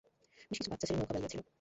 বেশকিছু বাচ্চা ছেলে নৌকা বাইছিলো।